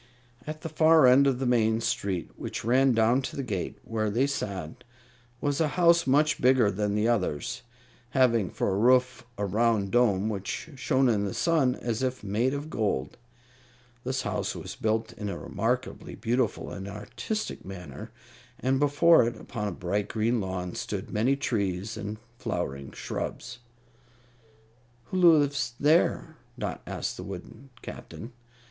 At the far end of the main street, which ran down to the gate where they sat, was a house much bigger than the others, having for a roof a round dome which shone in the sun as if made of gold. This house was built in a remarkably beautiful and artistic manner, and before it, upon a bright green lawn, stood many trees and flowering shrubs. "Who lives there?" Dot asked the wooden Captain.